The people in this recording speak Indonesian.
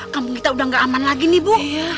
kampung kita udah gak aman lagi nih bu